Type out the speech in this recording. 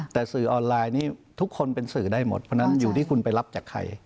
แต่สื่อออนไลน์นี้ทุกคนเป็นสื่อได้หมดเพราะฉะนั้นอยู่ที่คุณไปรับจากใคร